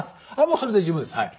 もうそれで十分ですはい。